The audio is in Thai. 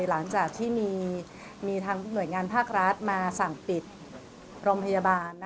หลังจากที่มีทางหน่วยงานภาครัฐมาสั่งปิดโรงพยาบาล